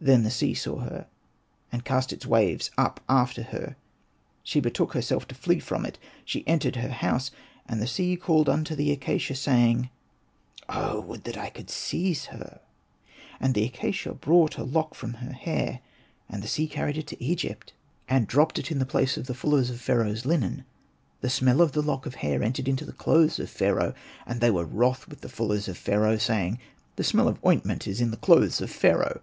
Then the sea saw her, and cast its waves up after her. She betook herself to flee from before it. She entered her house. And the sea called unto the acacia, saying, '' Oh, would that I could seize her !" And the acacia brought a lock from her hair, and the sea carried it to Egypt, and Hosted by Google ANPU AND BATA 53 dropped it in the place of the fullers of Pharaoh's linen. The smell of the lock of hair entered into the clothes of Pharaoh ; and they were wroth with the fullers of Pharaoh, saying, ''The smell of ointment is in the clothes of Pharaoh."